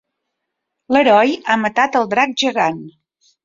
L'heroi ha matat al drac gegant.